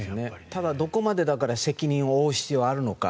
ただ、どこまで責任を負う必要があるのか。